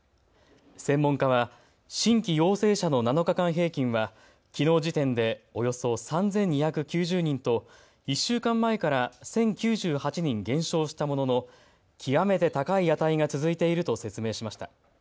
専門家は新規陽性者の７日間平均はきのう時点でおよそ３２９０人と１週間前から１０９８人減少したものの極めて高い値が続いていると説明しました。